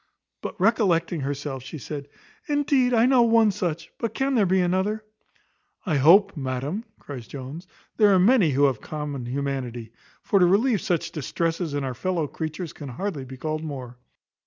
But recollecting herself, she said, "Indeed I know one such; but can there be another?" "I hope, madam," cries Jones, "there are many who have common humanity; for to relieve such distresses in our fellow creatures, can hardly be called more."